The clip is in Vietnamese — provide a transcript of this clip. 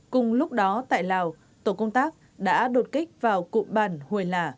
cùng lúc đó tại lào tổ công tác đã đột kích vào cụm bản hồi lả